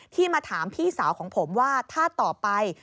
ที่มาถามพี่สาวของผมว่าถ้าต่อไป